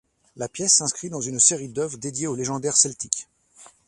La pièce s'inscrit dans une série d'œuvres dédiées au légendaire celtique.